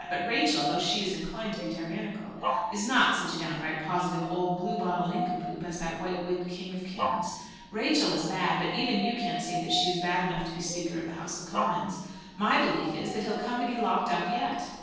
But Rachel, though she is inclined to be tyrannical, is not such a downright positive old blue bottle nincompoop as that white wigged king of kings. Rachel is bad; but even you can't say that she is bad enough to be Speaker of the House of Commons. My belief is, that he'll come to be locked up yet."